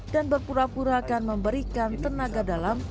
dan berpura purakan memberikan tenaga dalam